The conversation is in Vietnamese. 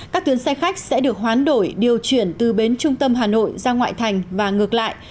các tuyến xe khách sẽ được hoán đổi điều chuyển từ bến trung tâm hà nội ra ngoại thành và ngược lại